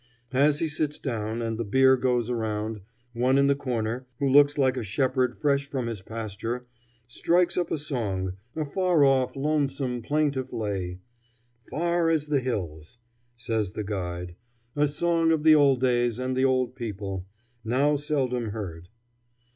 As he sits down, and the beer goes around, one in the corner, who looks like a shepherd fresh from his pasture, strikes up a song a far off, lonesome, plaintive lay. "'Far as the hills,'" says the guide; "a song of the old days and the old people, now seldom heard."